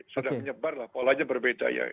sudah menyebar lah polanya berbeda ya